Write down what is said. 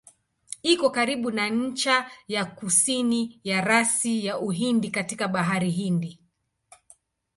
Iko karibu na ncha ya kusini ya rasi ya Uhindi katika Bahari Hindi.